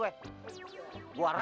gue rawp muka lu ntar lu